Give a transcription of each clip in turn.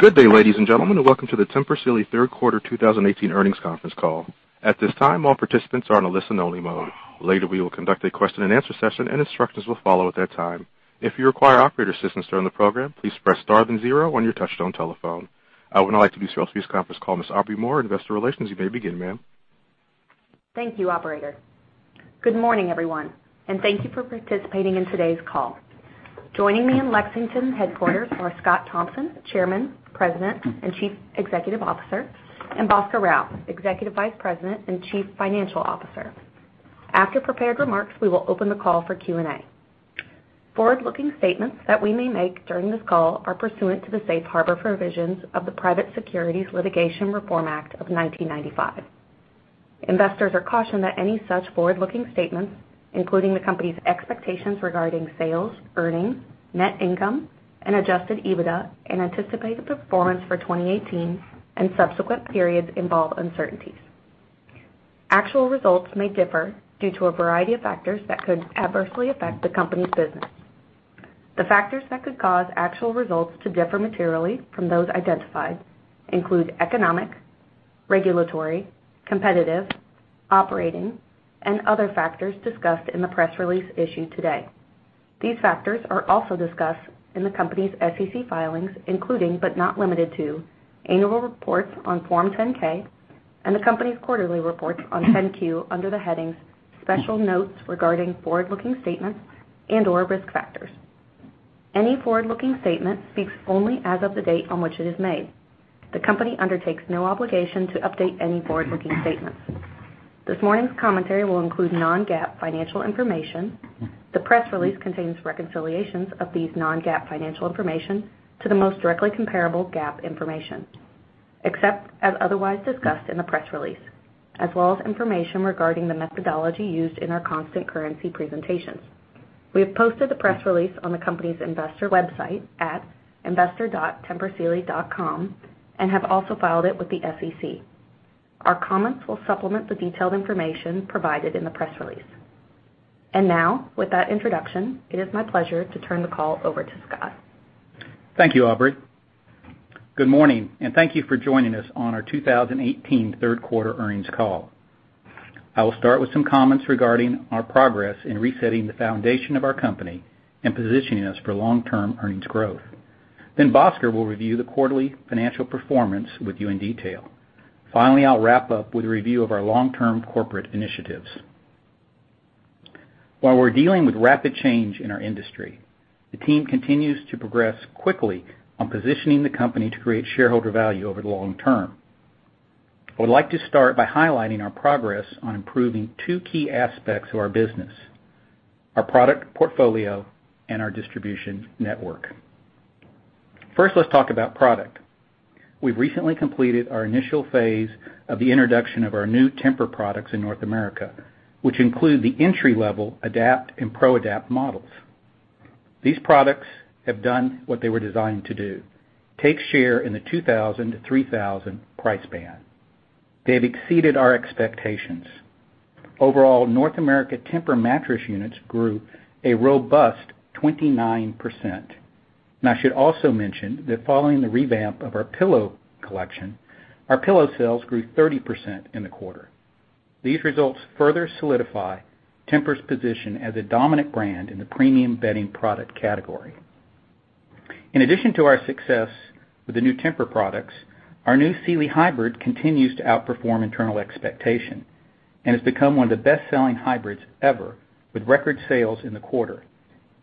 Good day, ladies and gentlemen, and welcome to the Tempur Sealy third quarter 2018 earnings conference call. At this time, all participants are in a listen-only mode. Later, we will conduct a question-and-answer session, and instructions will follow at that time. If you require operator assistance during the program, please press star then zero on your touch-tone telephone. I would now like to introduce this conference call. Ms. Aubrey Moore, Investor Relations, you may begin, ma'am. Thank you, operator. Good morning, everyone, and thank you for participating in today's call. Joining me in Lexington headquarters are Scott Thompson, Chairman, President, and Chief Executive Officer, and Bhaskar Rao, Executive Vice President and Chief Financial Officer. After prepared remarks, we will open the call for Q&A. Forward-looking statements that we may make during this call are pursuant to the safe harbor provisions of the Private Securities Litigation Reform Act of 1995. Investors are cautioned that any such forward-looking statements, including the company's expectations regarding sales, earnings, net income, and Adjusted EBITDA, and anticipated performance for 2018 and subsequent periods involve uncertainties. Actual results may differ due to a variety of factors that could adversely affect the company's business. The factors that could cause actual results to differ materially from those identified include economic, regulatory, competitive, operating, and other factors discussed in the press release issued today. These factors are also discussed in the company's SEC filings, including, but not limited to, annual reports on Form 10-K and the company's quarterly reports on 10-Q under the headings "Special Notes Regarding Forward-Looking Statements" and/or "Risk Factors." Any forward-looking statement speaks only as of the date on which it is made. The company undertakes no obligation to update any forward-looking statements. This morning's commentary will include non-GAAP financial information. The press release contains reconciliations of these non-GAAP financial information to the most directly comparable GAAP information, except as otherwise discussed in the press release, as well as information regarding the methodology used in our constant currency presentations. We have posted the press release on the company's investor website at investor.tempursealy.com and have also filed it with the SEC. Our comments will supplement the detailed information provided in the press release. Now, with that introduction, it is my pleasure to turn the call over to Scott. Thank you, Aubrey. Good morning, Thank you for joining us on our 2018 third quarter earnings call. I will start with some comments regarding our progress in resetting the foundation of our company and positioning us for long-term earnings growth. Bhaskar will review the quarterly financial performance with you in detail. Finally, I'll wrap up with a review of our long-term corporate initiatives. While we're dealing with rapid change in our industry, the team continues to progress quickly on positioning the company to create shareholder value over the long term. I would like to start by highlighting our progress on improving two key aspects of our business, our product portfolio and our distribution network. First, let's talk about product. We've recently completed our initial phase of the introduction of our new Tempur products in North America, which include the entry-level Adapt and ProAdapt models. These products have done what they were designed to do, take share in the $2,000-$3,000 price band. They have exceeded our expectations. Overall, North America Tempur mattress units grew a robust 29%. I should also mention that following the revamp of our pillow collection, our pillow sales grew 30% in the quarter. These results further solidify Tempur's position as a dominant brand in the premium bedding product category. In addition to our success with the new Tempur products, our new Sealy hybrid continues to outperform internal expectation and has become one of the best-selling hybrids ever, with record sales in the quarter.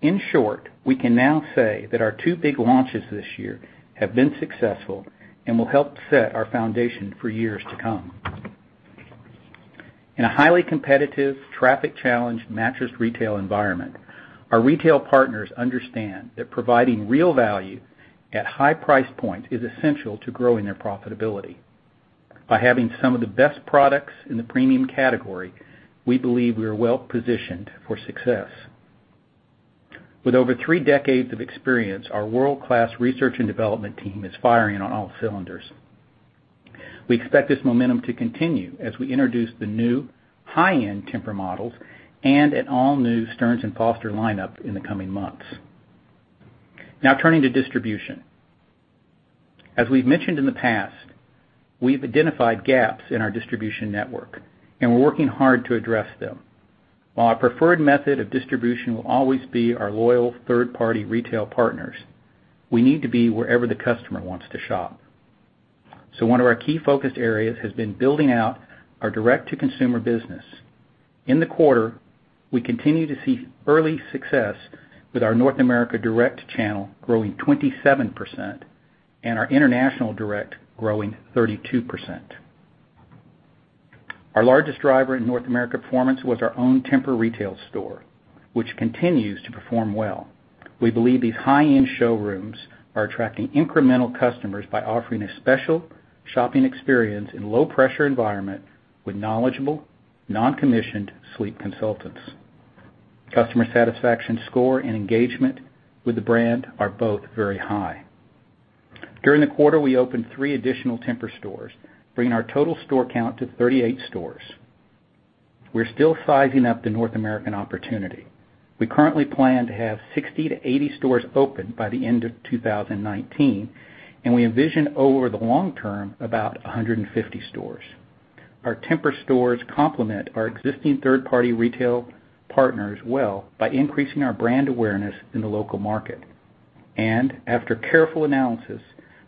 In short, we can now say that our two big launches this year have been successful and will help set our foundation for years to come. In a highly competitive, traffic-challenged mattress retail environment, our retail partners understand that providing real value at high price points is essential to growing their profitability. By having some of the best products in the premium category, we believe we are well-positioned for success. With over three decades of experience, our world-class research and development team is firing on all cylinders. We expect this momentum to continue as we introduce the new high-end Tempur models and an all-new Stearns & Foster lineup in the coming months. Now turning to distribution. As we've mentioned in the past, we've identified gaps in our distribution network, and we're working hard to address them. While our preferred method of distribution will always be our loyal third-party retail partners, we need to be wherever the customer wants to shop. One of our key focus areas has been building out our direct-to-consumer business. In the quarter, we continue to see early success with our North America direct channel growing 27% and our international direct growing 32%. Our largest driver in North America performance was our own Tempur retail store, which continues to perform well. We believe these high-end showrooms are attracting incremental customers by offering a special shopping experience in low-pressure environment with knowledgeable, non-commissioned sleep consultants. Customer satisfaction score and engagement with the brand are both very high. During the quarter, we opened three additional Tempur stores, bringing our total store count to 38 stores. We're still sizing up the North American opportunity. We currently plan to have 60 to 80 stores open by the end of 2019, and we envision over the long term about 150 stores. Our Tempur stores complement our existing third-party retail partners well by increasing our brand awareness in the local market. After careful analysis,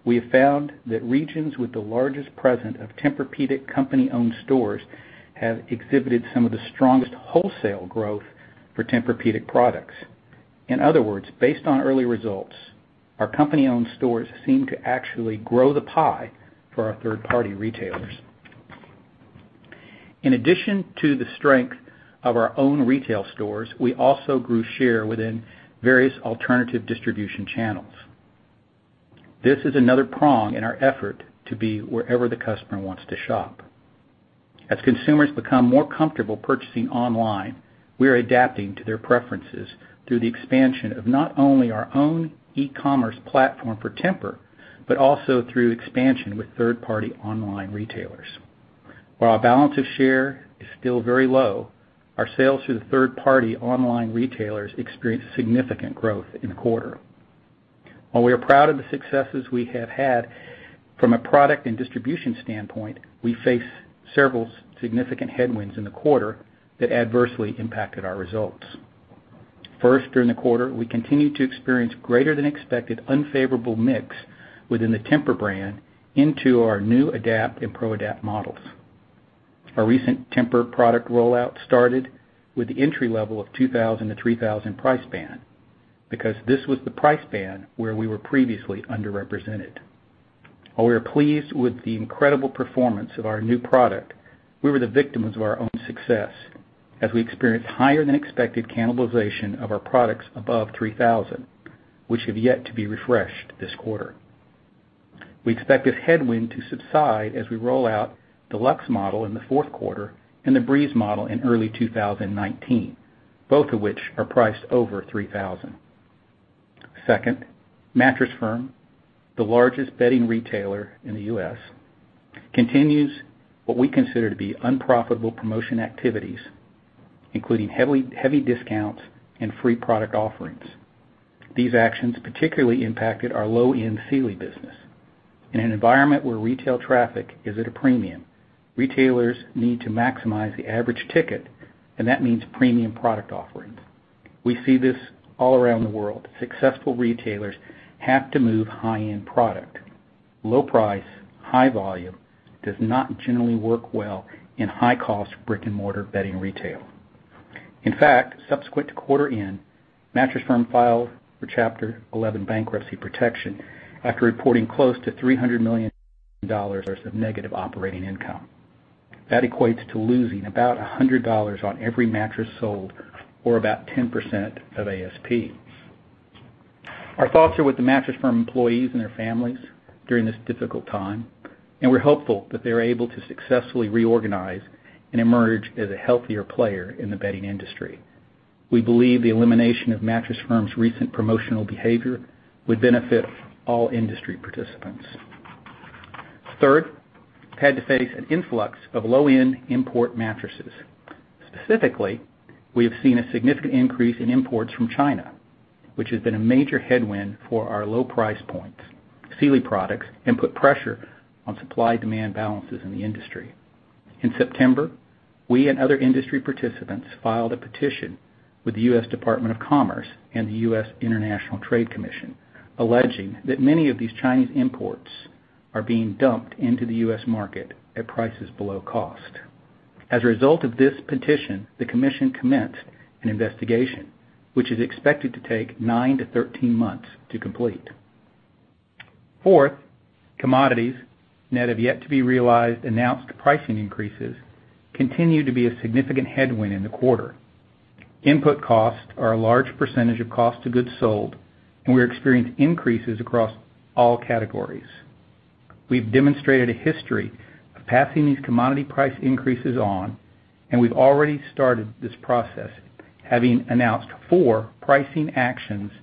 we have found that regions with the largest presence of Tempur-Pedic company-owned stores have exhibited some of the strongest wholesale growth for Tempur-Pedic products. In other words, based on early results, our company-owned stores seem to actually grow the pie for our third-party retailers. In addition to the strength of our own retail stores, we also grew share within various alternative distribution channels. This is another prong in our effort to be wherever the customer wants to shop. As consumers become more comfortable purchasing online, we are adapting to their preferences through the expansion of not only our own e-commerce platform for Tempur, but also through expansion with third-party online retailers. While our balance of share is still very low, our sales through the third party online retailers experienced significant growth in the quarter. While we are proud of the successes we have had from a product and distribution standpoint, we face several significant headwinds in the quarter that adversely impacted our results. First, during the quarter, we continued to experience greater than expected unfavorable mix within the Tempur brand into our new Adapt and ProAdapt models. Our recent Tempur product rollout started with the entry level of $2,000-$3,000 price band because this was the price band where we were previously underrepresented. While we are pleased with the incredible performance of our new product, we were the victims of our own success as we experienced higher than expected cannibalization of our products above $3,000, which have yet to be refreshed this quarter. We expect this headwind to subside as we roll out the Luxe model in the fourth quarter and the Breeze model in early 2019, both of which are priced over $3,000. Second, Mattress Firm, the largest bedding retailer in the U.S., continues what we consider to be unprofitable promotion activities, including heavy discounts and free product offerings. These actions particularly impacted our low-end Sealy business. In an environment where retail traffic is at a premium, retailers need to maximize the average ticket, and that means premium product offerings. We see this all around the world. Successful retailers have to move high-end product. Low price, high volume does not generally work well in high-cost brick-and-mortar bedding retail. In fact, subsequent to quarter end, Mattress Firm filed for Chapter 11 bankruptcy protection after reporting close to $300 million of negative operating income. That equates to losing about $100 on every mattress sold or about 10% of ASP. Our thoughts are with the Mattress Firm employees and their families during this difficult time, and we're hopeful that they are able to successfully reorganize and emerge as a healthier player in the bedding industry. We believe the elimination of Mattress Firm's recent promotional behavior would benefit all industry participants. Third, had to face an influx of low-end import mattresses. Specifically, we have seen a significant increase in imports from China, which has been a major headwind for our low price points, Sealy products, and put pressure on supply-demand balances in the industry. In September, we and other industry participants filed a petition with the U.S. Department of Commerce and the U.S. International Trade Commission alleging that many of these Chinese imports are being dumped into the U.S. market at prices below cost. As a result of this petition, the commission commenced an investigation, which is expected to take 9-13 months to complete. Fourth, commodities net of yet to be realized announced pricing increases continue to be a significant headwind in the quarter. Input costs are a large percentage of cost of goods sold, and we experienced increases across all categories. We've demonstrated a history of passing these commodity price increases on, and we've already started this process, having announced four pricing actions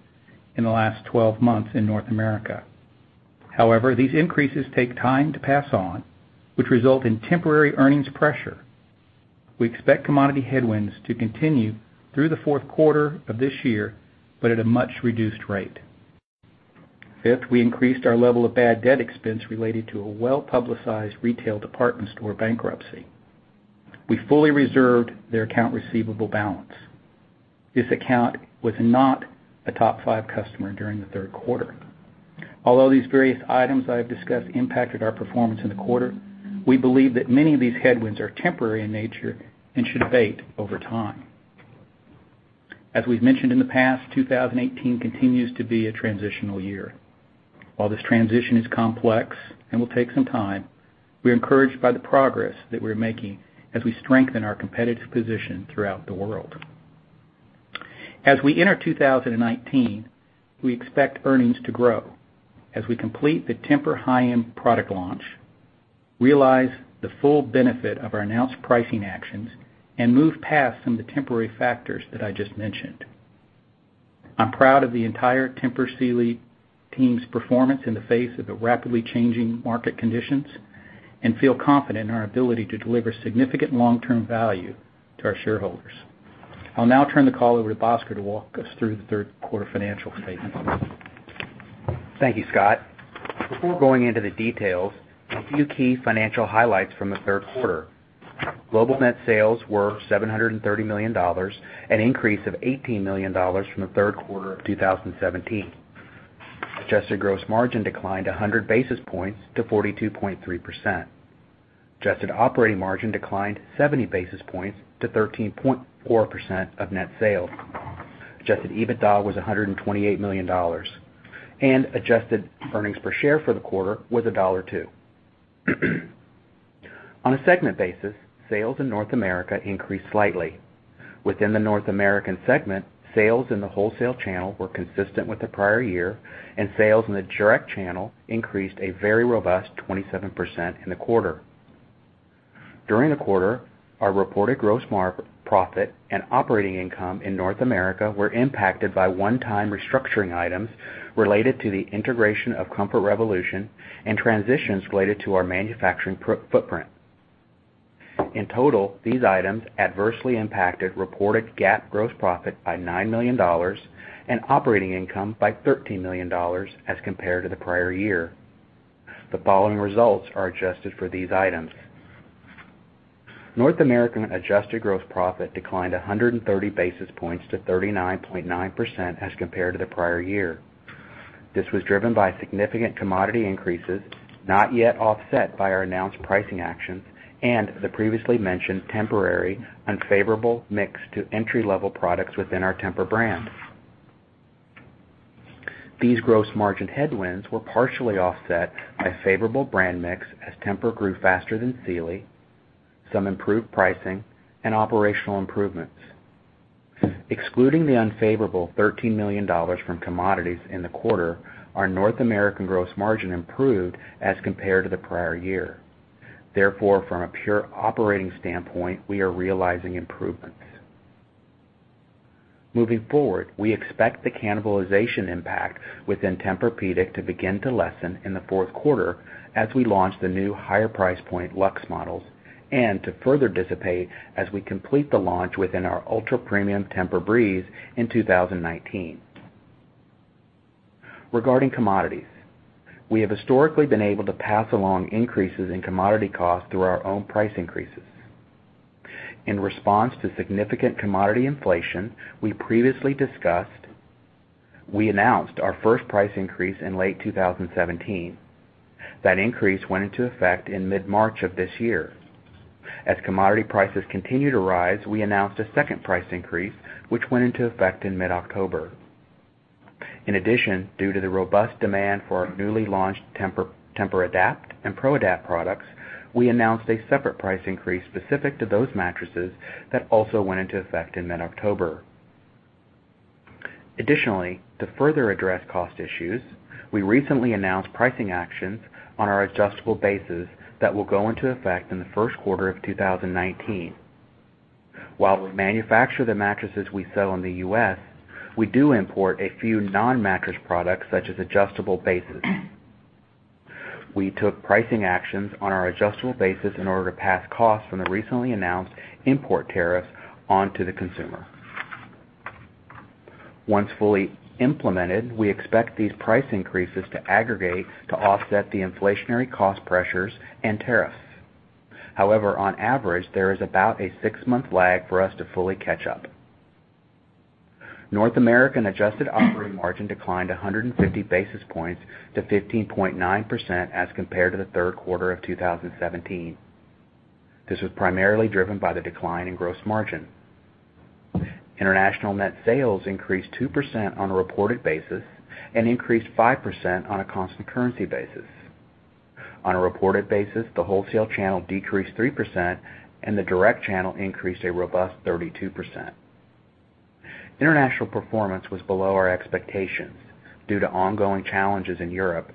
in the last 12 months in North America. These increases take time to pass on, which result in temporary earnings pressure. We expect commodity headwinds to continue through the fourth quarter of this year, but at a much reduced rate. Fifth, we increased our level of bad debt expense related to a well-publicized retail department store bankruptcy. We fully reserved their account receivable balance. This account was not a top five customer during the third quarter. Although these various items I have discussed impacted our performance in the quarter, we believe that many of these headwinds are temporary in nature and should abate over time. As we've mentioned in the past, 2018 continues to be a transitional year. While this transition is complex and will take some time, we're encouraged by the progress that we're making as we strengthen our competitive position throughout the world. As we enter 2019, we expect earnings to grow as we complete the Tempur high-end product launch, realize the full benefit of our announced pricing actions, and move past some of the temporary factors that I just mentioned. I'm proud of the entire Tempur Sealy team's performance in the face of the rapidly changing market conditions and feel confident in our ability to deliver significant long-term value to our shareholders. I'll now turn the call over to Bhaskar to walk us through the third quarter financial statements. Thank you, Scott. Before going into the details, a few key financial highlights from the third quarter. Global net sales were $730 million, an increase of $18 million from the third quarter of 2017. Adjusted gross margin declined 100 basis points to 42.3%. Adjusted operating margin declined 70 basis points to 13.4% of net sales. Adjusted EBITDA was $128 million, and adjusted earnings per share for the quarter was $1.02. On a segment basis, sales in North America increased slightly. Within the North American segment, sales in the wholesale channel were consistent with the prior year and sales in the direct channel increased a very robust 27% in the quarter. During the quarter, our reported gross profit and operating income in North America were impacted by one-time restructuring items related to the integration of Comfort Revolution and transitions related to our manufacturing footprint. In total, these items adversely impacted reported GAAP gross profit by $9 million and operating income by $13 million as compared to the prior year. The following results are adjusted for these items. North American adjusted gross profit declined 130 basis points to 39.9% as compared to the prior year. This was driven by significant commodity increases, not yet offset by our announced pricing actions and the previously mentioned temporary unfavorable mix to entry-level products within our Tempur brand. These gross margin headwinds were partially offset by favorable brand mix as Tempur grew faster than Sealy, some improved pricing and operational improvements. Excluding the unfavorable $13 million from commodities in the quarter, our North American gross margin improved as compared to the prior year. Therefore, from a pure operating standpoint, we are realizing improvements. Moving forward, we expect the cannibalization impact within Tempur-Pedic to begin to lessen in the fourth quarter as we launch the new higher price point Luxe models and to further dissipate as we complete the launch within our ultra-premium TEMPUR-breeze in 2019. Regarding commodities, we have historically been able to pass along increases in commodity costs through our own price increases. In response to significant commodity inflation, we previously discussed, we announced our first price increase in late 2017. That increase went into effect in mid-March of this year. As commodity prices continued to rise, we announced a second price increase, which went into effect in mid-October. In addition, due to the robust demand for our newly launched Tempur Adapt and ProAdapt products, we announced a separate price increase specific to those mattresses that also went into effect in mid-October. Additionally, to further address cost issues, we recently announced pricing actions on our adjustable bases that will go into effect in the first quarter of 2019. While we manufacture the mattresses we sell in the U.S., we do import a few non-mattress products such as adjustable bases. We took pricing actions on our adjustable bases in order to pass costs from the recently announced import tariff onto the consumer. Once fully implemented, we expect these price increases to aggregate to offset the inflationary cost pressures and tariffs. However, on average, there is about a six-month lag for us to fully catch up. North American adjusted operating margin declined 150 basis points to 15.9% as compared to the third quarter of 2017. This was primarily driven by the decline in gross margin. International net sales increased 2% on a reported basis and increased 5% on a constant currency basis. On a reported basis, the wholesale channel decreased 3% and the direct channel increased a robust 32%. International performance was below our expectations due to ongoing challenges in Europe,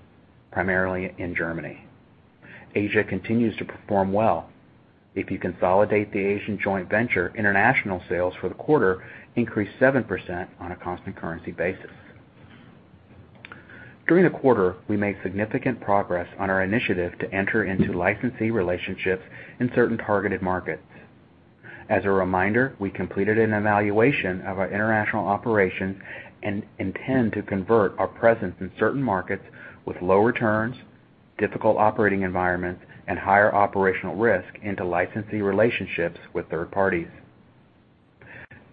primarily in Germany. Asia continues to perform well. If you consolidate the Asian joint venture, international sales for the quarter increased 7% on a constant currency basis. During the quarter, we made significant progress on our initiative to enter into licensee relationships in certain targeted markets. As a reminder, we completed an evaluation of our international operations and intend to convert our presence in certain markets with low returns, difficult operating environments, and higher operational risk into licensee relationships with third parties.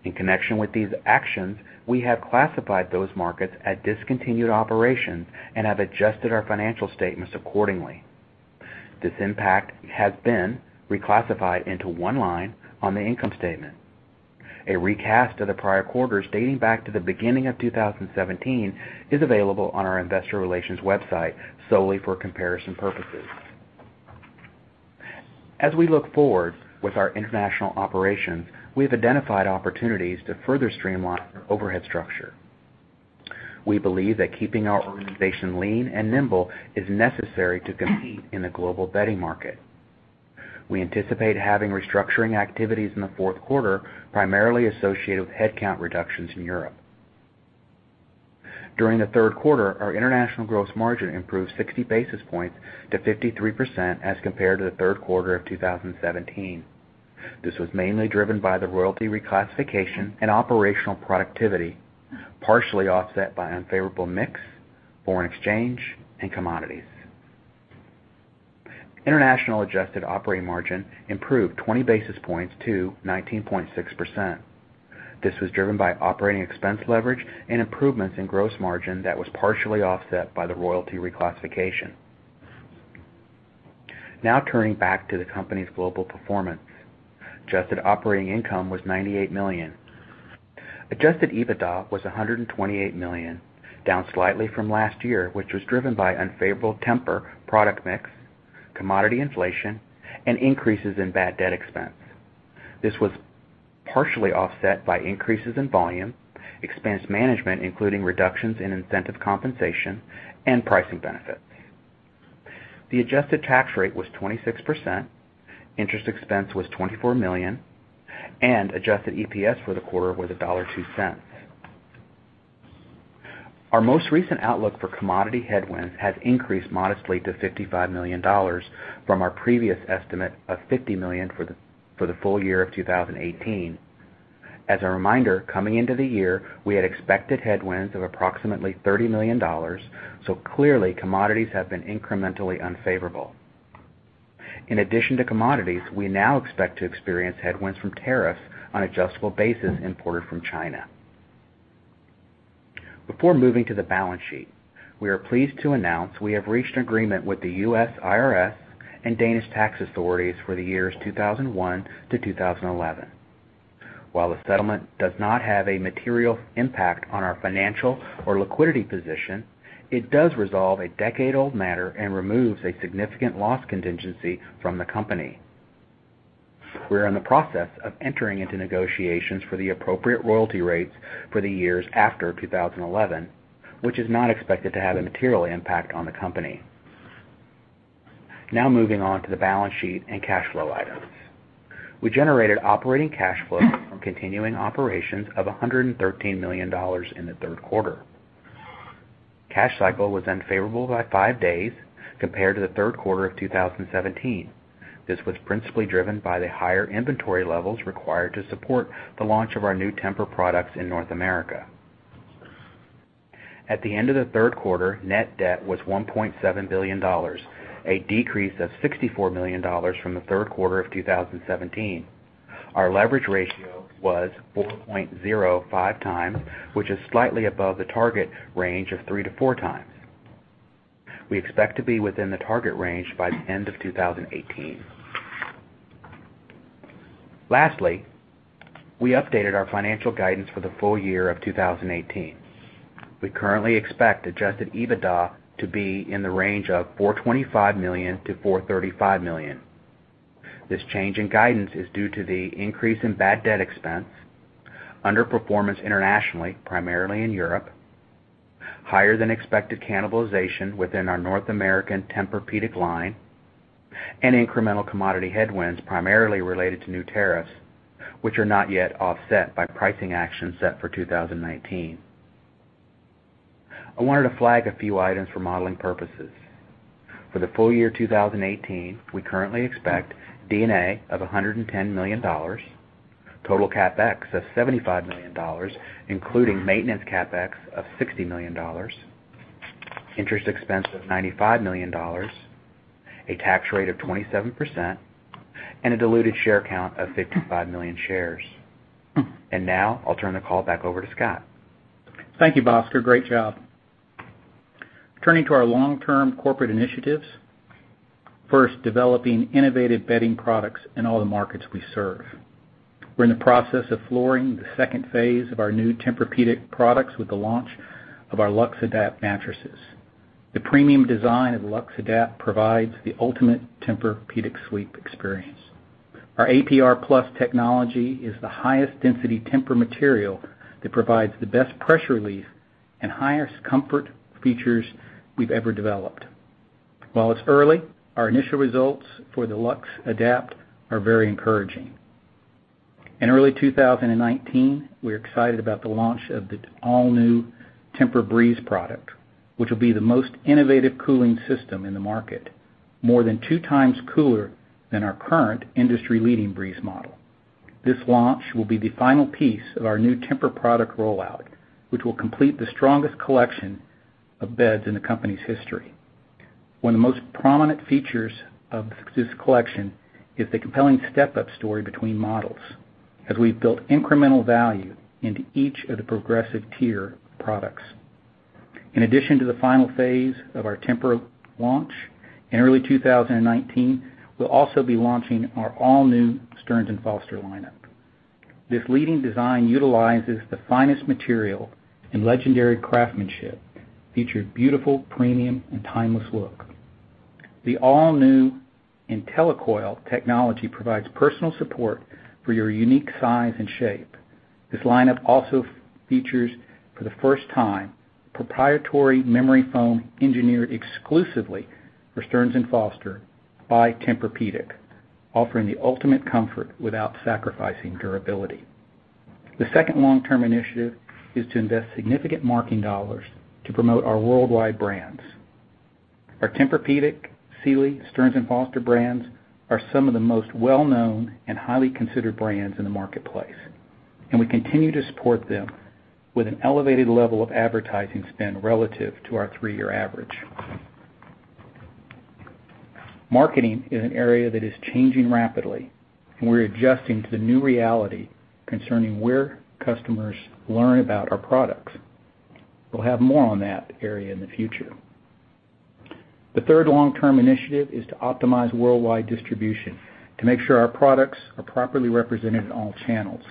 In connection with these actions, we have classified those markets as discontinued operations and have adjusted our financial statements accordingly. This impact has been reclassified into one line on the income statement. A recast of the prior quarters dating back to the beginning of 2017 is available on our investor relations website solely for comparison purposes. As we look forward with our international operations, we have identified opportunities to further streamline our overhead structure. We believe that keeping our organization lean and nimble is necessary to compete in the global bedding market. We anticipate having restructuring activities in the fourth quarter, primarily associated with headcount reductions in Europe. During the third quarter, our international gross margin improved 60 basis points to 53% as compared to the third quarter of 2017. This was mainly driven by the royalty reclassification and operational productivity, partially offset by unfavorable mix, foreign exchange, and commodities. International adjusted operating margin improved 20 basis points to 19.6%. This was driven by operating expense leverage and improvements in gross margin that was partially offset by the royalty reclassification. Turning back to the company's global performance. Adjusted operating income was $98 million. Adjusted EBITDA was $128 million, down slightly from last year, which was driven by unfavorable Tempur product mix, commodity inflation, and increases in bad debt expense. This was partially offset by increases in volume, expense management, including reductions in incentive compensation, and pricing benefits. The adjusted tax rate was 26%, interest expense was $24 million. Adjusted EPS for the quarter was $1.02. Our most recent outlook for commodity headwinds has increased modestly to $55 million from our previous estimate of $50 million for the full year of 2018. As a reminder, coming into the year, we had expected headwinds of approximately $30 million. Clearly, commodities have been incrementally unfavorable. In addition to commodities, we now expect to experience headwinds from tariffs on adjustable bases imported from China. Before moving to the balance sheet, we are pleased to announce we have reached an agreement with the U.S. IRS and Danish tax authorities for the years 2001 to 2011. While the settlement does not have a material impact on our financial or liquidity position, it does resolve a decade-old matter and removes a significant loss contingency from the company. We're in the process of entering into negotiations for the appropriate royalty rates for the years after 2011, which is not expected to have a material impact on the company. Now moving on to the balance sheet and cash flow items. We generated operating cash flow from continuing operations of $113 million in the third quarter. Cash cycle was unfavorable by five days compared to the third quarter of 2017. This was principally driven by the higher inventory levels required to support the launch of our new Tempur products in North America. At the end of the third quarter, net debt was $1.7 billion, a decrease of $64 million from the third quarter of 2017. Our leverage ratio was 4.05x, which is slightly above the target range of three to four times. We expect to be within the target range by the end of 2018. Lastly, we updated our financial guidance for the full year of 2018. We currently expect Adjusted EBITDA to be in the range of $425 million-$435 million. This change in guidance is due to the increase in bad debt expense, underperformance internationally, primarily in Europe, higher than expected cannibalization within our North American Tempur-Pedic line, and incremental commodity headwinds primarily related to new tariffs, which are not yet offset by pricing actions set for 2019. I wanted to flag a few items for modeling purposes. For the full year 2018, we currently expect D&A of $110 million, total CapEx of $75 million, including maintenance CapEx of $60 million, interest expense of $95 million, a tax rate of 27%, and a diluted share count of 55 million shares. Now I'll turn the call back over to Scott. Thank you, Bhaskar. Great job. Turning to our long-term corporate initiatives. First, developing innovative bedding products in all the markets we serve. We're in the process of flooring the second phase of our new Tempur-Pedic products with the launch of our TEMPUR-LuxeAdapt mattresses. The premium design of TEMPUR-LuxeAdapt provides the ultimate Tempur-Pedic sleep experience. Our TEMPUR-APR+ technology is the highest density Tempur material that provides the best pressure relief and highest comfort features we've ever developed. While it's early, our initial results for the TEMPUR-LuxeAdapt are very encouraging. In early 2019, we're excited about the launch of the all-new TEMPUR-breeze product, which will be the most innovative cooling system in the market, more than 2x cooler than our current industry-leading TEMPUR-breeze model. This launch will be the final piece of our new Tempur product rollout, which will complete the strongest collection of beds in the company's history. One of the most prominent features of this collection is the compelling step-up story between models, as we've built incremental value into each of the progressive tier products. In addition to the final phase of our Tempur launch, in early 2019, we'll also be launching our all-new Stearns & Foster lineup. This leading design utilizes the finest material and legendary craftsmanship, featured beautiful, premium, and timeless look. The all-new IntelliCoil technology provides personal support for your unique size and shape. This lineup also features for the first time proprietary memory foam engineered exclusively for Stearns & Foster by Tempur-Pedic, offering the ultimate comfort without sacrificing durability. The second long-term initiative is to invest significant marketing dollars to promote our worldwide brands. Our Tempur-Pedic, Sealy, Stearns & Foster brands are some of the most well-known and highly considered brands in the marketplace, and we continue to support them with an elevated level of advertising spend relative to our three-year average. Marketing is an area that is changing rapidly, and we're adjusting to the new reality concerning where customers learn about our products. We'll have more on that area in the future. The third long-term initiative is to optimize worldwide distribution to make sure our products are properly represented in all channels.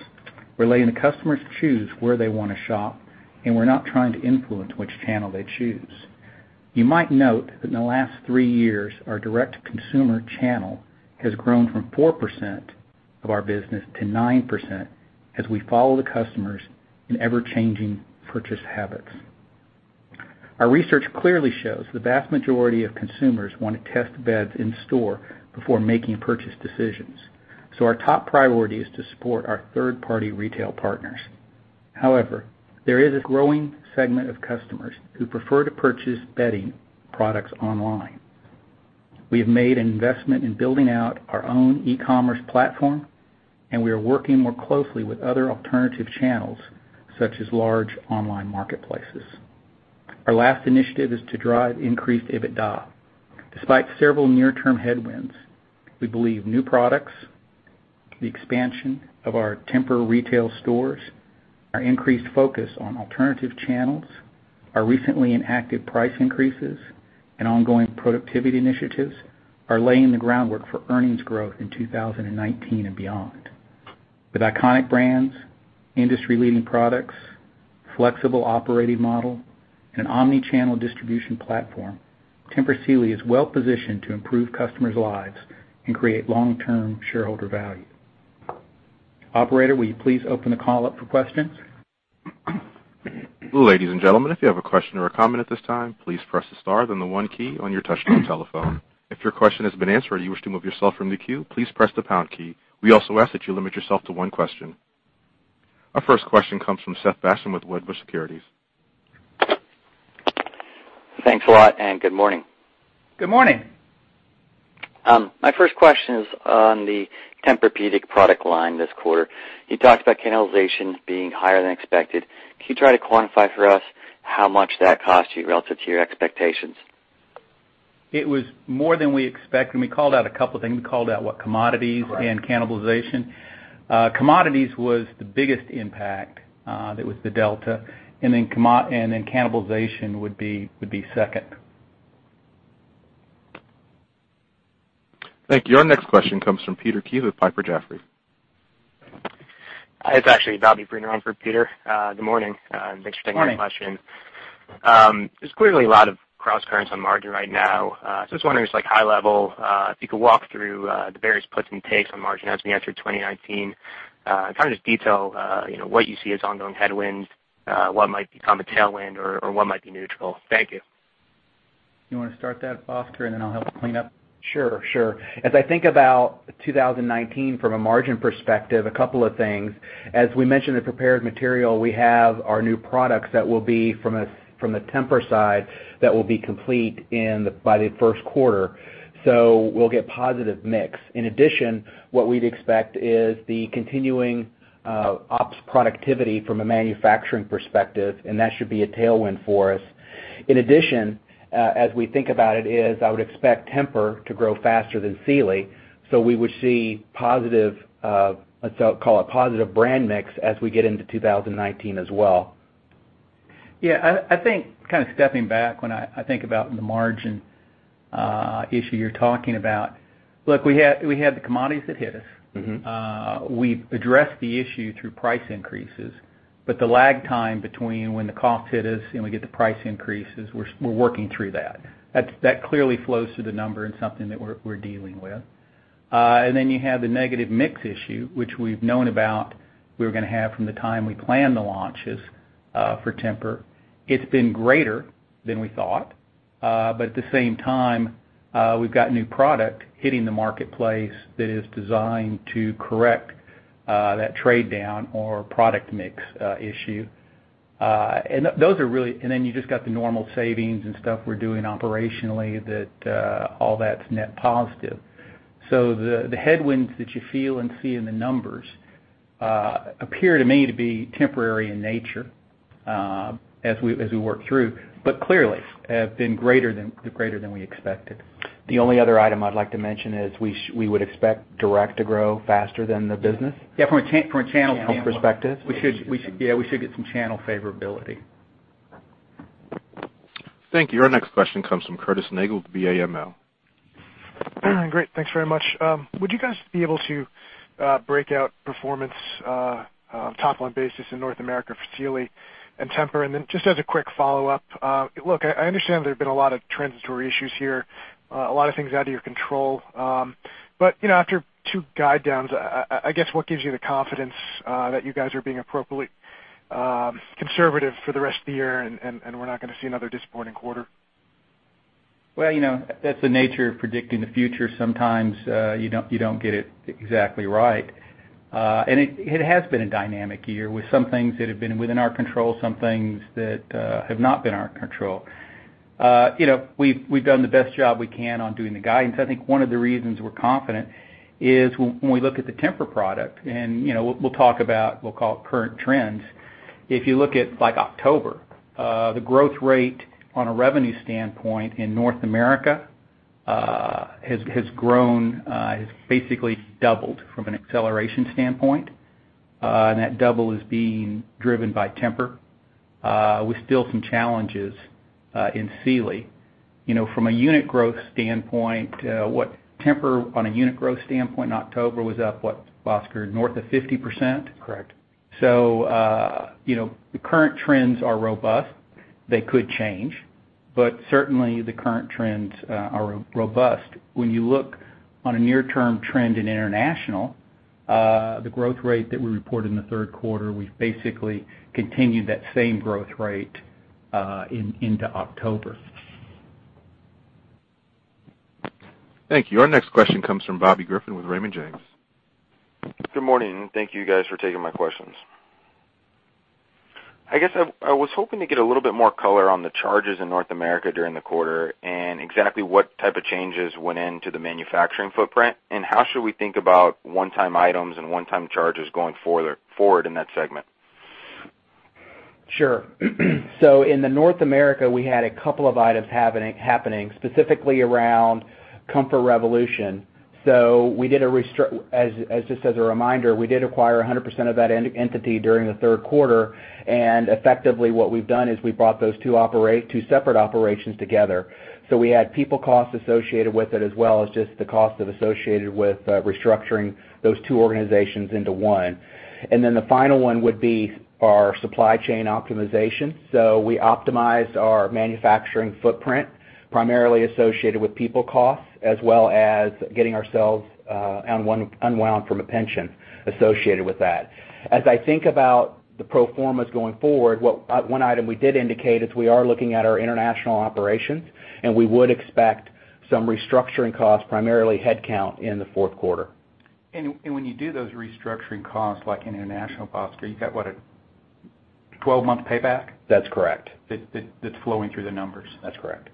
We're letting the customers choose where they wanna shop, and we're not trying to influence which channel they choose. You might note that in the last three years, our direct-to-consumer channel has grown from 4% of our business to 9% as we follow the customers in ever-changing purchase habits. Our research clearly shows the vast majority of consumers want to test beds in store before making purchase decisions, so our top priority is to support our third-party retail partners. However, there is a growing segment of customers who prefer to purchase bedding products online. We have made an investment in building out our own e-commerce platform, and we are working more closely with other alternative channels, such as large online marketplaces. Our last initiative is to drive increased EBITDA. Despite several near-term headwinds, we believe new products, the expansion of our Tempur retail stores, our increased focus on alternative channels, our recently enacted price increases and ongoing productivity initiatives are laying the groundwork for earnings growth in 2019 and beyond. With iconic brands, industry-leading products, flexible operating model, and an omni-channel distribution platform, Tempur Sealy is well positioned to improve customers' lives and create long-term shareholder value. Operator, will you please open the call up for questions? Ladies and gentlemen, if you have a question or a comment at this time, please press the star, then one key on your touch-tone telephone. If your question has been answered, you wish to remove yourself from the queue, please press the pound key. We also ask that you limit yourself to one question. Our first question comes from Seth Basham with Wedbush Securities. Thanks a lot, and good morning. Good morning. My first question is on the Tempur-Pedic product line this quarter. You talked about cannibalization being higher than expected. Can you try to quantify for us how much that cost you relative to your expectations? It was more than we expected. We called out a couple things. We called out, what, commodities- Correct. Cannibalization. Commodities was the biggest impact, that was the delta, and then cannibalization would be second. Thank you. Our next question comes from Peter Keith with Piper Jaffray. Hi, it's actually Abhi Bruno for Peter. Good morning, thanks for taking our question. Morning. There's clearly a lot of crosscurrents on margin right now. I was wondering, just, like, high level, if you could walk through the various puts and takes on margin as we enter 2019, and kind of just detail, you know, what you see as ongoing headwinds, what might become a tailwind or what might be neutral. Thank you. You wanna start that, Bhaskar Rao, and then I'll help clean up? Sure, sure. I think about 2019 from a margin perspective, a couple of things. We mentioned in prepared material, we have our new products that will be from the Tempur side that will be complete by the 1st quarter. We'll get positive mix. In addition, what we'd expect is the continuing ops productivity from a manufacturing perspective, and that should be a tailwind for us. In addition, as we think about it is I would expect Tempur to grow faster than Sealy, so we would see positive, let's call it positive brand mix as we get into 2019 as well. Yeah, I think kind of stepping back when I think about the margin issue you're talking about, look, we had the commodities that hit us. We've addressed the issue through price increases, but the lag time between when the cost hit us and we get the price increases, we're working through that. That clearly flows through the number and something that we're dealing with. Then you have the negative mix issue, which we've known about we were gonna have from the time we planned the launches for Tempur. It's been greater than we thought, at the same time, we've got new product hitting the marketplace that is designed to correct that trade down or product mix issue. Then you just got the normal savings and stuff we're doing operationally that all that's net positive. The headwinds that you feel and see in the numbers appear to me to be temporary in nature, as we work through, but clearly have been greater than we expected. The only other item I'd like to mention is we would expect direct to grow faster than the business. Yeah, from a channel standpoint. Channel perspective. We should get some channel favorability. Thank you. Our next question comes from Curtis Nagle with BAML. Great. Thanks very much. Would you guys be able to break out performance on a top-line basis in North America for Sealy and Tempur? Just as a quick follow-up, look, I understand there have been a lot of transitory issues here, a lot of things out of your control. You know, after two guide downs, I guess what gives you the confidence that you guys are being appropriately. Conservative for the rest of the year and we're not gonna see another disappointing quarter? Well, you know, that's the nature of predicting the future. Sometimes, you don't, you don't get it exactly right. It, it has been a dynamic year with some things that have been within our control, some things that have not been our control. You know, we've done the best job we can on doing the guidance. I think one of the reasons we're confident is when we look at the Tempur product, and, you know, we'll talk about, we'll call it current trends. If you look at like October, the growth rate on a revenue standpoint in North America, has grown, has basically doubled from an acceleration standpoint. That double is being driven by Tempur. With still some challenges in Sealy. You know, from a unit growth standpoint, what Tempur on a unit growth standpoint in October was up, what, Bhaskar, north of 50%? Correct. You know, the current trends are robust. They could change, but certainly the current trends are robust. When you look on a near-term trend in international, the growth rate that we reported in the third quarter, we've basically continued that same growth rate into October. Thank you. Our next question comes from Bobby Griffin with Raymond James. Good morning, and thank you guys for taking my questions. I guess I was hoping to get a little bit more color on the charges in North America during the quarter and exactly what type of changes went into the manufacturing footprint, and how should we think about one-time items and one-time charges going further forward in that segment? Sure. In North America, we had a couple of items happening, specifically around Comfort Revolution. We did, as just as a reminder, we did acquire 100% of that entity during the third quarter, and effectively what we've done is we brought those two separate operations together. We had people costs associated with it as well as just the cost of associated with restructuring those two organizations into one. The final one would be our supply chain optimization. We optimized our manufacturing footprint, primarily associated with people costs, as well as getting ourselves unwound from a pension associated with that. As I think about the pro formas going forward, one item we did indicate is we are looking at our international operations, and we would expect some restructuring costs, primarily headcount, in the fourth quarter. When you do those restructuring costs, like in international, Bhaskar, you've got what, a 12-month payback? That's correct. That's flowing through the numbers? That's correct.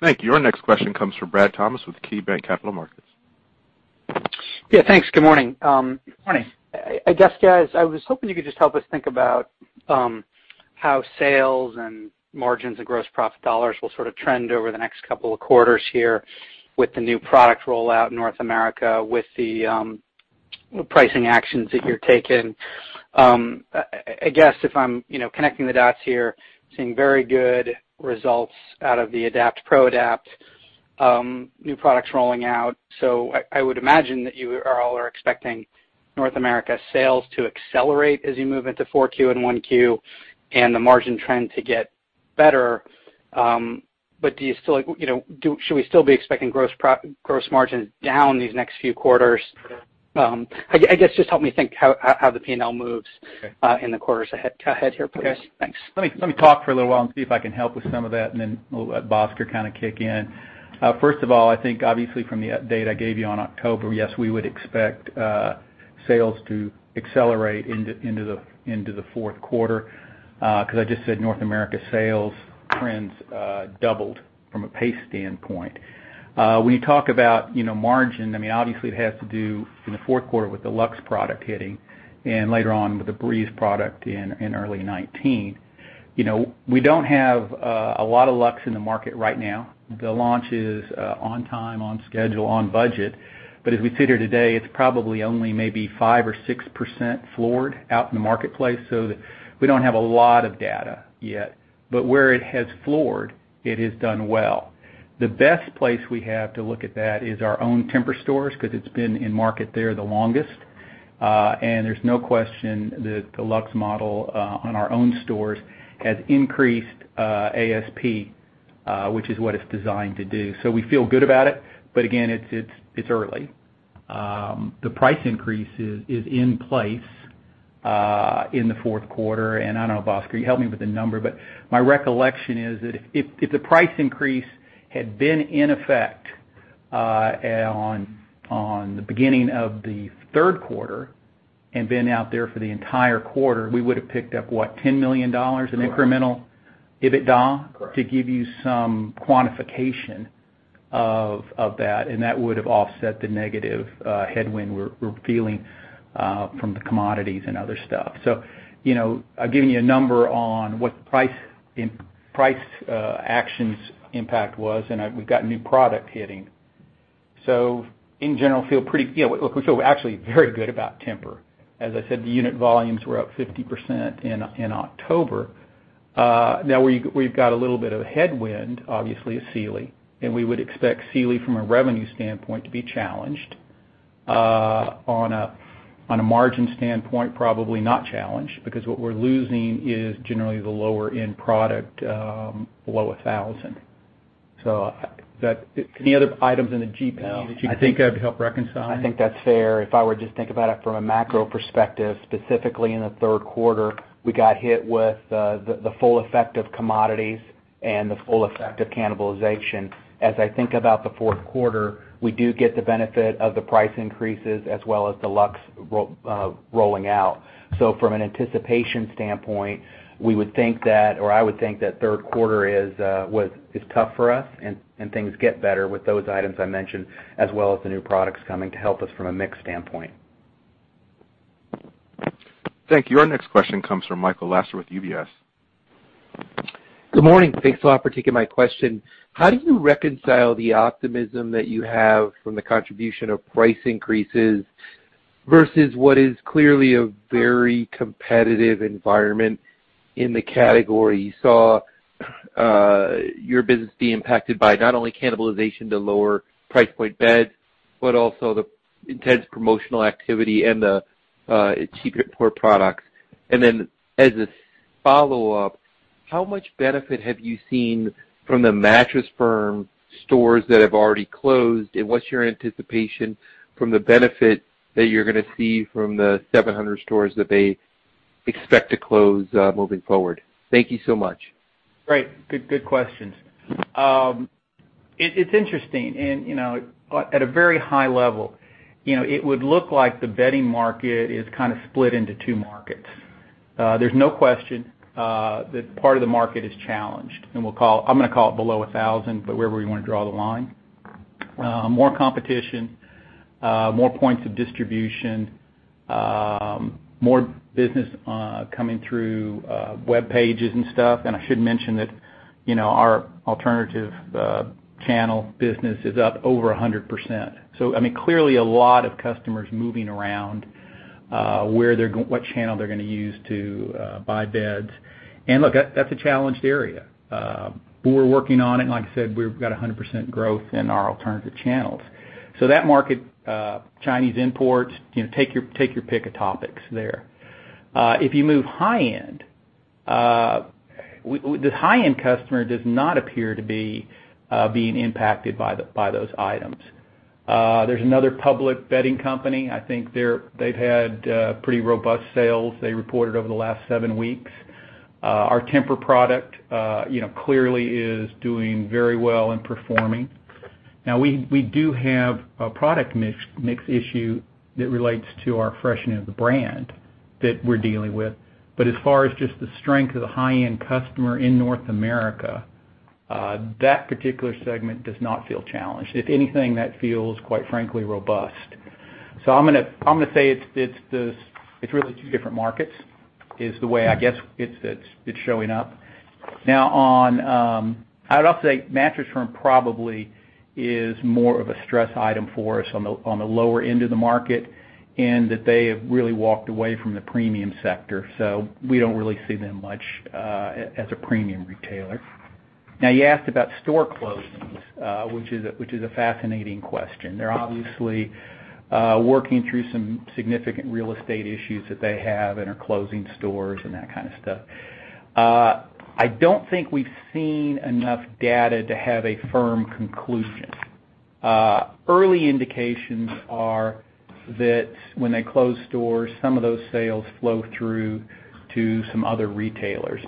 Thank you. Our next question comes from Bradley Thomas with KeyBanc Capital Markets. Yeah, thanks. Good morning. Good morning. I guess, guys, I was hoping you could just help us think about how sales and margins and gross profit dollars will sort of trend over the next couple of quarters here with the new product rollout in North America with the pricing actions that you're taking. I guess if I'm, you know, connecting the dots here, seeing very good results out of the Adapt, ProAdapt new products rolling out. I would imagine that you all are expecting North America sales to accelerate as you move into Q4 and Q1 and the margin trend to get better. Do you still, like, you know, should we still be expecting gross margins down these next few quarters? I guess just help me think how the P&L moves? Okay. In the quarters ahead here, please. Okay. Thanks. Let me talk for a little while and see if I can help with some of that and then we'll let Bhaskar kind of kick in. First of all, I think obviously from the update I gave you on October, yes, we would expect sales to accelerate into the fourth quarter, 'cause I just said North America sales trends doubled from a pace standpoint. When you talk about, you know, margin, I mean, obviously it has to do in the fourth quarter with the TEMPUR-LuxeAdapt product hitting and later on with the TEMPUR-breeze product in early 2019. You know, we don't have a lot of TEMPUR-LuxeAdapt in the market right now. The launch is on time, on schedule, on budget. As we sit here today, it's probably only maybe 5% or 6% floored out in the marketplace. We don't have a lot of data yet. Where it has floored, it has done well. The best place we have to look at that is our own Tempur stores, 'cause it's been in market there the longest. There's no question that the TEMPUR-LuxeAdapt model on our own stores has increased ASP, which is what it's designed to do. We feel good about it, but again, it's early. The price increase is in place in the fourth quarter, and I don't know, Bhaskar, you help me with the number, but my recollection is that if the price increase had been in effect on the beginning of the third quarter and been out there for the entire quarter, we would have picked up what, $10 million in incremental. Correct. -EBITDA? Correct. To give you some quantification of that would have offset the negative headwind we're feeling from the commodities and other stuff. You know, I've given you a number on what the price actions impact was, and we've got new product hitting. In general, feel pretty. You know, look, we feel actually very good about Tempur. As I said, the unit volumes were up 50% in October. Now we've got a little bit of headwind, obviously, at Sealy, and we would expect Sealy from a revenue standpoint to be challenged. On a margin standpoint, probably not challenged because what we're losing is generally the lower end product below $1,000. That any other items in the GP that you think I'd help reconcile? I think that's fair. If I were to just think about it from a macro perspective, specifically in the third quarter, we got hit with the full effect of commodities and the full effect of cannibalization. I think about the fourth quarter, we do get the benefit of the price increases as well as TEMPUR-LuxeAdapt rolling out. From an anticipation standpoint, we would think that or I would think that third quarter is tough for us and things get better with those items I mentioned, as well as the new products coming to help us from a mix standpoint. Thank you. Our next question comes from Michael Lasser with UBS. Good morning. Thanks a lot for taking my question. How do you reconcile the optimism that you have from the contribution of price increases versus what is clearly a very competitive environment in the category? You saw your business be impacted by not only cannibalization to lower price point beds, but also the intense promotional activity and the cheaper core products. As a follow-up, how much benefit have you seen from the Mattress Firm stores that have already closed? What's your anticipation from the benefit that you're gonna see from the 700 stores that they expect to close moving forward? Thank you so much. Great. Good, good questions. It's interesting and, you know, at a very high level, you know, it would look like the bedding market is kind of split into two markets. There's no question that part of the market is challenged, and I'm gonna call it below 1,000, but wherever you wanna draw the line. More competition, more points of distribution, more business coming through web pages and stuff. I should mention that, you know, our alternative channel business is up over 100%. I mean, clearly a lot of customers moving around what channel they're gonna use to buy beds. Look, that's a challenged area. We're working on it. Like I said, we've got 100% growth in our alternative channels. That market, Chinese imports, you know, take your, take your pick of topics there. If you move high end, the high-end customer does not appear to be impacted by the, by those items. There's another public bedding company. I think they've had pretty robust sales they reported over the last seven weeks. Our Tempur product, you know, clearly is doing very well in performing. Now we do have a product mix issue that relates to our freshening of the brand that we're dealing with. As far as just the strength of the high-end customer in North America, that particular segment does not feel challenged. If anything, that feels quite frankly robust. I'm gonna say it's really two different markets, is the way I guess it's showing up. I would also say Mattress Firm probably is more of a stress item for us on the lower end of the market, and that they have really walked away from the premium sector. We don't really see them much as a premium retailer. Now you asked about store closings, which is a fascinating question. They're obviously working through some significant real estate issues that they have and are closing stores and that kind of stuff. I don't think we've seen enough data to have a firm conclusion. Early indications are that when they close stores, some of those sales flow through to some other retailers.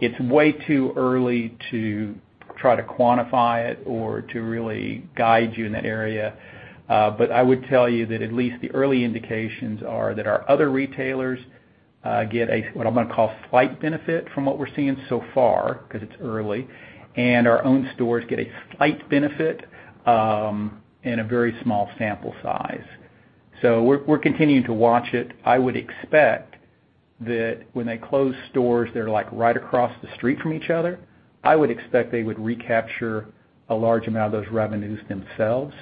It's way too early to try to quantify it or to really guide you in that area. I would tell you that at least the early indications are that our other retailers get a, what I'm gonna call slight benefit from what we're seeing so far, 'cause it's early, and our own stores get a slight benefit in a very small sample size. We're continuing to watch it. I would expect that when they close stores that are like right across the street from each other, I would expect they would recapture a large amount of those revenues themselves.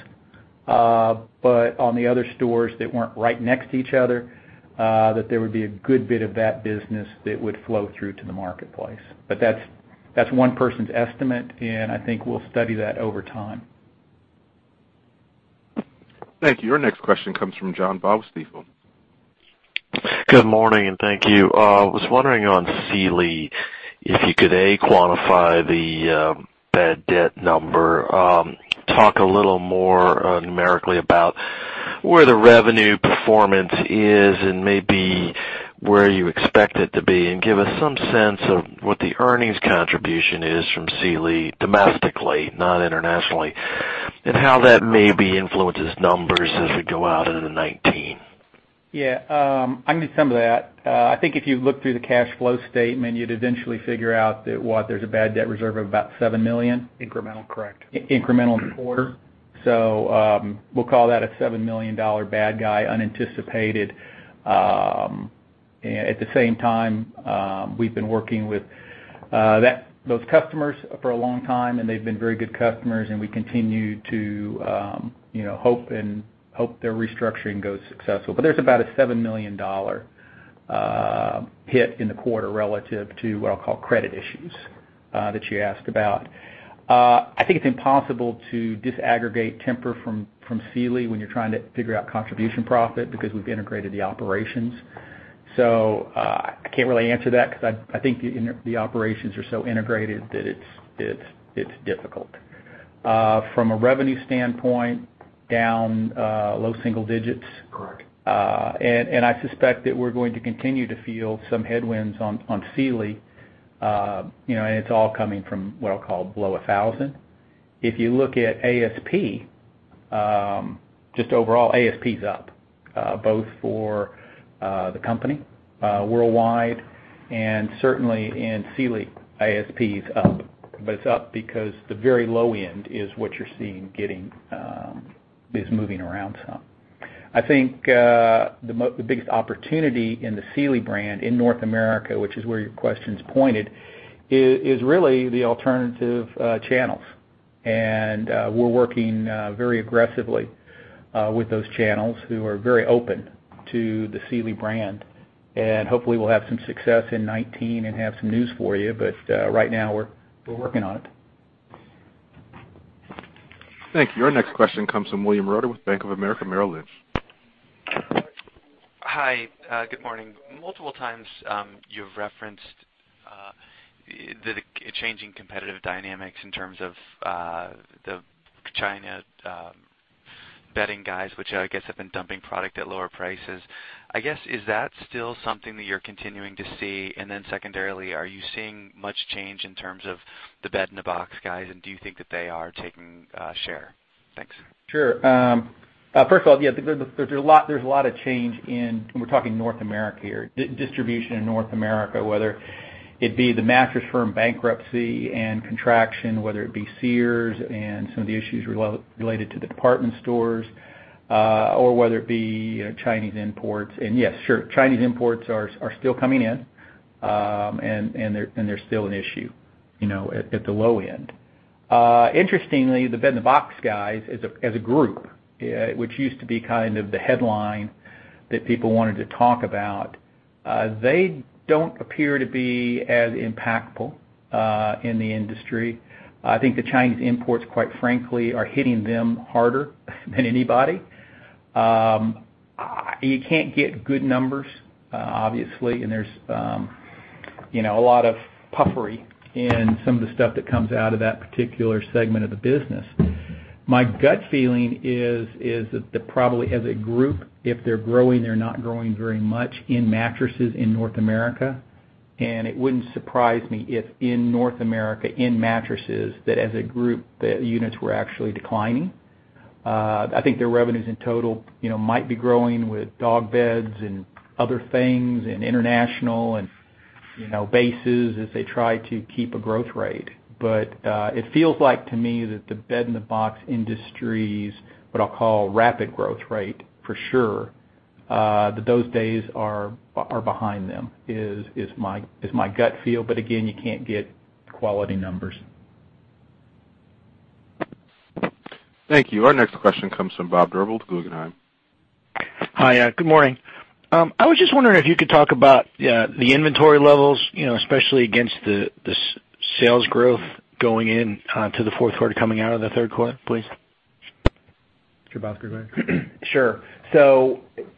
On the other stores that weren't right next to each other, that there would be a good bit of that business that would flow through to the marketplace. That's one person's estimate, and I think we'll study that over time. Thank you. Our next question comes from John Baugh, Stifel. Good morning. Thank you. I was wondering on Sealy if you could, A, quantify the bad debt number, talk a little more numerically about where the revenue performance is and maybe where you expect it to be, and give us some sense of what the earnings contribution is from Sealy domestically, not internationally, and how that maybe influences numbers as we go out into 2019. I can do some of that. I think if you look through the cash flow statement, you'd eventually figure out that what there's a bad debt reserve of about $7 million. Incremental, correct. Incremental in the quarter. We'll call that a $7 million bad guy unanticipated. At the same time, we've been working with those customers for a long time, and they've been very good customers, and we continue to, you know, hope and hope their restructuring goes successful. There's about a $7 million hit in the quarter relative to what I'll call credit issues that you asked about. I think it's impossible to disaggregate Tempur from Sealy when you're trying to figure out contribution profit because we've integrated the operations. I can't really answer that because I think the operations are so integrated that it's difficult. From a revenue standpoint, down low single digits. Correct. I suspect that we're going to continue to feel some headwinds on Sealy, you know, and it's all coming from what I'll call below 1,000. If you look at ASP, just overall, ASP is up, both for the company worldwide and certainly in Sealy, ASP is up. It's up because the very low end is what you're seeing getting, is moving around some. I think the biggest opportunity in the Sealy brand in North America, which is where your question's pointed, is really the alternative channels. We're working very aggressively with those channels who are very open to the Sealy brand. Hopefully we'll have some success in 2019 and have some news for you. Right now, we're working on it. Thank you. Our next question comes from William Reuter with Bank of America Merrill Lynch. Hi, good morning. Multiple times, you've referenced the changing competitive dynamics in terms of the China bedding guys, which I guess have been dumping product at lower prices. I guess, is that still something that you're continuing to see? Secondarily, are you seeing much change in terms of the bed-in-a-box guys, and do you think that they are taking share? Thanks. Sure. First of all, yeah, there's a lot of change in. We're talking North America here, distribution in North America, whether it be the Mattress Firm bankruptcy and contraction, whether it be Sears and some of the issues related to the department stores, whether it be Chinese imports. Yes, sure, Chinese imports are still coming in, and they're still an issue, you know, at the low end. Interestingly, the bed-in-a-box guys as a group, which used to be kind of the headline that people wanted to talk about, they don't appear to be as impactful in the industry. I think the Chinese imports, quite frankly, are hitting them harder than anybody. You can't get good numbers, obviously, and there's, you know, a lot of puffery in some of the stuff that comes out of that particular segment of the business. My gut feeling is that probably as a group, if they're growing, they're not growing very much in mattresses in North America. It wouldn't surprise me if in North America, in mattresses, that as a group, the units were actually declining. I think their revenues in total, you know, might be growing with dog beds and other things in international and, you know, bases as they try to keep a growth rate. It feels like to me that the bed-in-a-box industry's, what I'll call rapid growth rate, for sure, that those days are behind them is my gut feel. Again, you can't get quality numbers. Thank you. Our next question comes from Robert Drbul with Guggenheim. Hi. Good morning. I was just wondering if you could talk about the inventory levels, you know, especially against the sales growth going in to the fourth quarter, coming out of the third quarter, please. Bhaskar Rao, go ahead. Sure.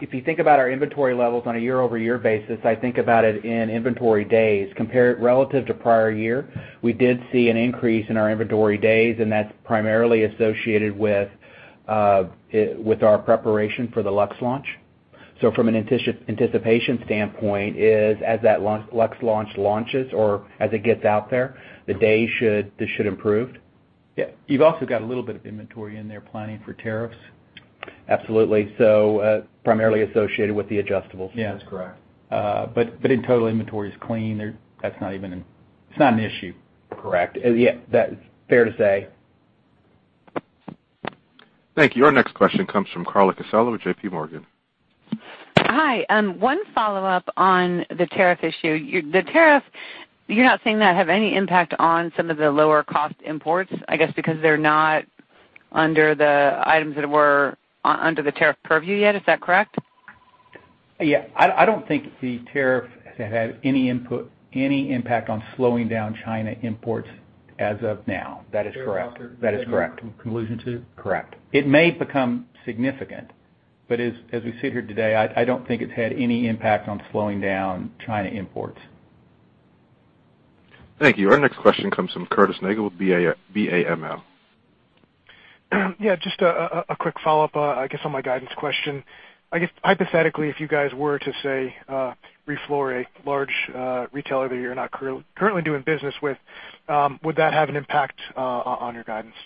If you think about our inventory levels on a YoY basis, I think about it in inventory days compared relative to prior year. We did see an increase in our inventory days, that's primarily associated with our preparation for the Luxe launch. From an anticipation standpoint as that Luxe launch launches or as it gets out there, this should improve. Yeah. You've also got a little bit of inventory in there planning for tariffs. Absolutely. Primarily associated with the adjustables. Yeah, that's correct. In total inventory is clean. It's not an issue. Correct. Yeah, that's fair to say. Thank you. Our next question comes from Carla Casella with JPMorgan. Hi. One follow-up on the tariff issue. The tariff, you're not seeing that have any impact on some of the lower cost imports, I guess, because they're not under the items that were under the tariff purview yet. Is that correct? Yeah. I don't think the tariff has had any impact on slowing down China imports as of now. That is correct. That is correct. Conclusion to. Correct. It may become significant, but as we sit here today, I don't think it's had any impact on slowing down China imports. Thank you. Our next question comes from Curtis Nagle with BAML. Yeah, just a quick follow-up, I guess, on my guidance question. I guess, hypothetically, if you guys were to, say, refloor a large retailer that you're not currently doing business with, would that have an impact on your guidance? Yeah.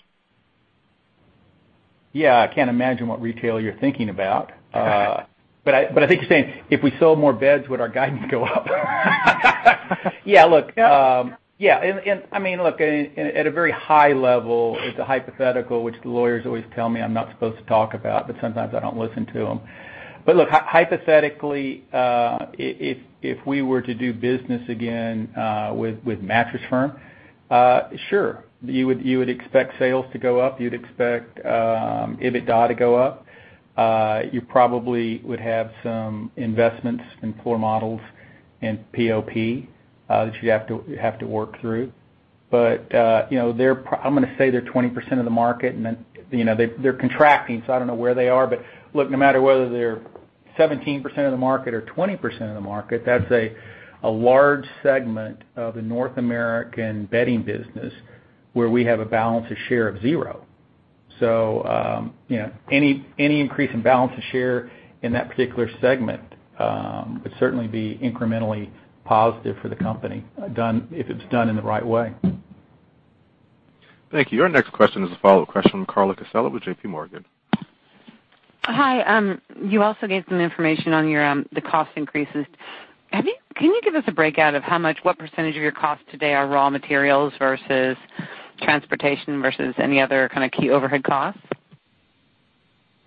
I can't imagine what retailer you're thinking about. I think you're saying if we sold more beds, would our guidance go up? Yeah, look, yeah. I mean, look, at a very high level, it's a hypothetical, which the lawyers always tell me I'm not supposed to talk about, but sometimes I don't listen to them. Look, hypothetically, if we were to do business again with Mattress Firm, sure, you would expect sales to go up. You'd expect EBITDA to go up. You probably would have some investments in floor models and POP that you'd have to work through. You know, they're I'm gonna say they're 20% of the market and then, you know, they're contracting, so I don't know where they are. Look, no matter whether they're 17% of the market or 20% of the market, that's a large segment of the North American bedding business where we have a balance of share of zero. Any increase in balance of share in that particular segment would certainly be incrementally positive for the company if it's done in the right way. Thank you. Our next question is a follow-up question from Carla Casella with JPMorgan. Hi. You also gave some information on your, the cost increases. Can you give us a breakout of how much, what percentage of your costs today are raw materials versus transportation versus any other kind of key overhead costs?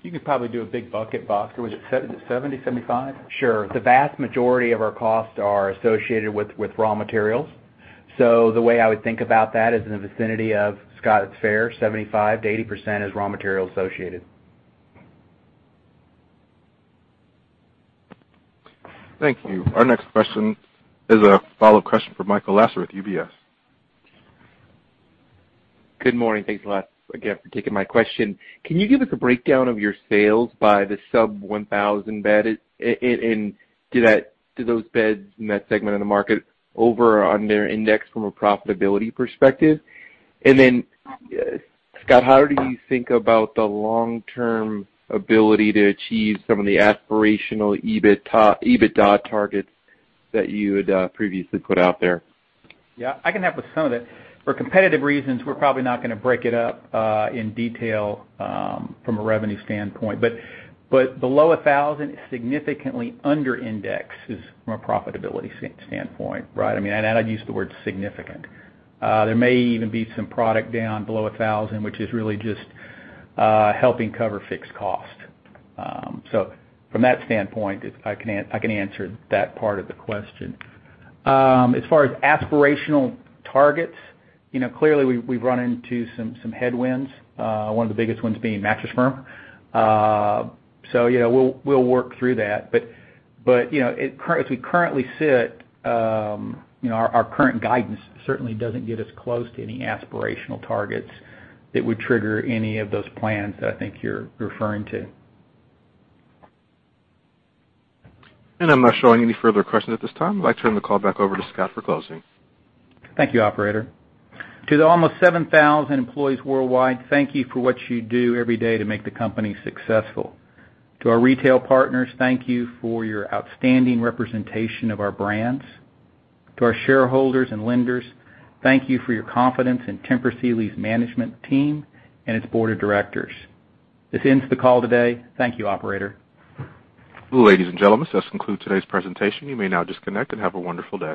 You could probably do a big bucket, Bhaskar. Was it 70, 75? Sure. The vast majority of our costs are associated with raw materials. The way I would think about that is in the vicinity of Scott's fair, 75%-80% is raw material associated. Thank you. Our next question is a follow-up question from Michael Lasser with UBS. Good morning. Thanks a lot again for taking my question. Can you give us a breakdown of your sales by the sub $1,000 bed, and do those beds in that segment of the market over or under index from a profitability perspective? Then, Scott, how do you think about the long-term ability to achieve some of the aspirational EBITDA targets that you had previously put out there? Yeah, I can help with some of it. For competitive reasons, we're probably not gonna break it up in detail from a revenue standpoint. Below $1,000 is significantly under index is from a profitability standpoint, right? I mean, I'd use the word significant. There may even be some product down below $1,000, which is really just helping cover fixed cost. From that standpoint is I can answer that part of the question. As far as aspirational targets, you know, clearly we've run into some headwinds, one of the biggest ones being Mattress Firm. You know, we'll work through that. You know, as we currently sit, you know, our current guidance certainly doesn't get us close to any aspirational targets that would trigger any of those plans that I think you're referring to. I'm not showing any further questions at this time. I'd like to turn the call back over to Scott for closing. Thank you, operator. To the almost 7,000 employees worldwide, thank you for what you do every day to make the company successful. To our retail partners, thank you for your outstanding representation of our brands. To our shareholders and lenders, thank you for your confidence in Tempur Sealy's management team and its board of directors. This ends the call today. Thank you, operator. Ladies and gentlemen, this concludes today's presentation. You may now disconnect and have a wonderful day.